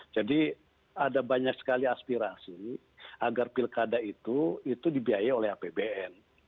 jadi ada banyak sekali aspirasi agar pilkada itu dibiayai oleh apbn